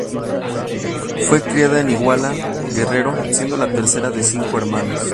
Fue criada en Iguala, Guerrero siendo la tercera de cinco hermanos.